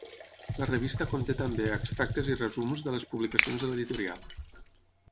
La revista conté també extractes i resums de les publicacions de l'editorial.